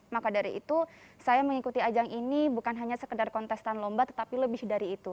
maka dari itu saya mengikuti ajang ini bukan hanya sekedar kontestan lomba tetapi lebih dari itu